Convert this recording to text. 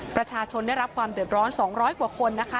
ประชาชนได้รับความเดือดร้อน๒๐๐กว่าคนนะคะ